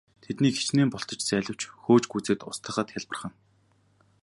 Тэднийг хэчнээн бултаж зайлавч хөөж гүйцээд устгахад хялбархан.